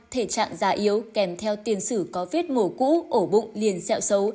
thể trạng già yếu kèm theo tiền sử có viết mổ cú ổ bụng liền xeo xấu